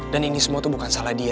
dan ini semua tuh bukan salah dia